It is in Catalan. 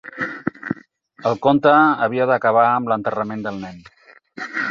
El conte havia d'acabar amb l'enterrament del nen.